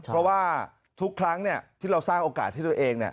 เพราะว่าทุกครั้งที่เราสร้างโอกาสให้ตัวเอง